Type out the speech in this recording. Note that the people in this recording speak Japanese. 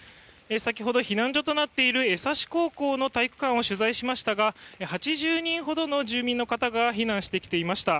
先ほど、避難所となっている江差高校の体育館を取材しましたが８０人ほどの住民の方々が避難してきていました。